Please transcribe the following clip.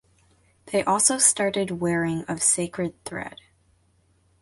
They also started wearing of Sacred thread.